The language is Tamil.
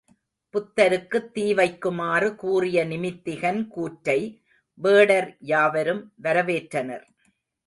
புதருக்குத் தீ வைக்குமாறு கூறிய நிமித்திகன் கூற்றை, வேடர் யாவரும் வரவேற்றனர்.